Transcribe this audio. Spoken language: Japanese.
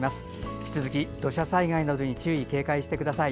引き続き土砂災害などに注意、警戒してください。